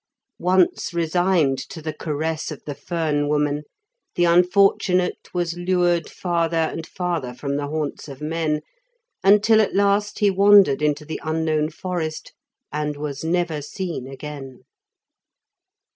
Once resigned to the caress of the fern woman, the unfortunate was lured farther and farther from the haunts of men, until at last he wandered into the unknown forest, and was never seen again.